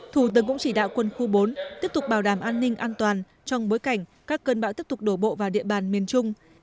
thủ tướng cũng chỉ đạo quân khu bốn tiếp tục bảo đảm an ninh an toàn trong bối cảnh các cơn bão tiếp tục đổ bộ vào địa bàn miền trung